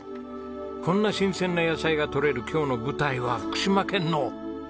こんな新鮮な野菜がとれる今日の舞台は福島県のどこなんだっぺな？